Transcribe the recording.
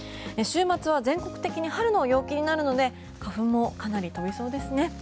週末は全国的に春の陽気になるので花粉もかなり飛びそうですね。